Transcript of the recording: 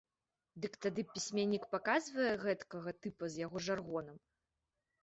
Дык тады пісьменнік паказвае гэтакага тыпа з яго жаргонам.